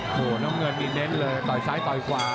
โอโหฮังเงินในเน้นเลยต่อยซ้ายต่อยขวา